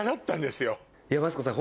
マツコさん